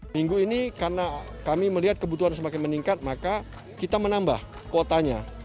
minggu ini karena kami melihat kebutuhan semakin meningkat maka kita menambah kuotanya